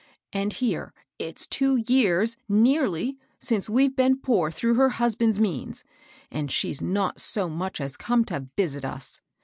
And here it's two years nearly since we've been poor through her husband's means, and she's not so much as come to visit us.